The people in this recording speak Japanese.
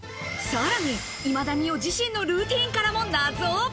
さらに今田美桜自身のルーティーンからも謎。